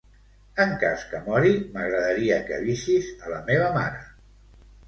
En cas que mori, m'agradaria que avisis a la meva mare.